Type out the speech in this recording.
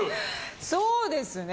そうですね。